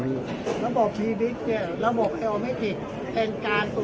อันนี้คือ๑จานที่คุณคุณค่อยอยู่ด้านข้างข้างนั้น